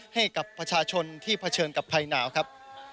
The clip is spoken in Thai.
ให้กับประชาชนที่เผชิญกับภัยหนาวครับ